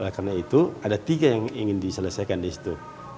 karena itu ada tiga yang ingin diselesaikan di situ